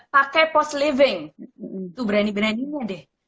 pakai post living itu berani beraninya deh